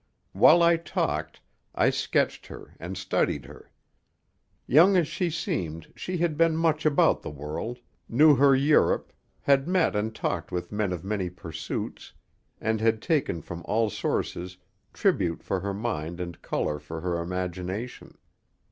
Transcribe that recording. While I talked, I sketched her and studied her. Young as she seemed, she had been much about the world, knew her Europe, had met and talked with men of many pursuits, and had taken from all sources tribute for her mind and color for her imagination.